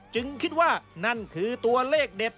จึงคิดว่านั่นคือตัวเลขเด็ด